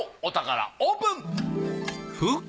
お宝オープン！